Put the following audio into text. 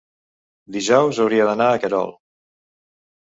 dijous hauria d'anar a Querol.